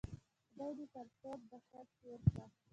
خدای دې تر تور دکن تېر کړه.